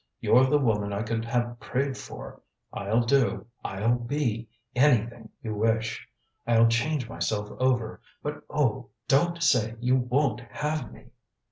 You're the woman I could have prayed for. I'll do, I'll be, anything you wish; I'll change myself over, but oh, don't say you won't have me.